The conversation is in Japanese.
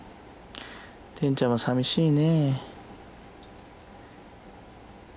テンちゃんもさみしいね。